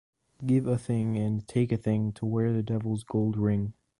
Give a thing, and take a thing, to wear the Devil’s gold ring!